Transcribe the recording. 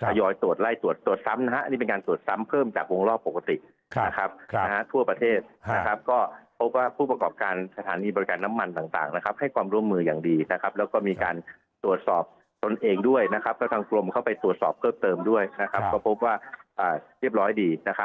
ทยอยตรวจไล่ตรวจตรวจซ้ำนะฮะนี่เป็นการตรวจซ้ำเพิ่มจากวงรอบปกตินะครับนะฮะทั่วประเทศนะครับก็พบว่าผู้ประกอบการสถานีบริการน้ำมันต่างนะครับให้ความร่วมมืออย่างดีนะครับแล้วก็มีการตรวจสอบตนเองด้วยนะครับก็ทางกรมเข้าไปตรวจสอบเพิ่มเติมด้วยนะครับก็พบว่าเรียบร้อยดีนะครับ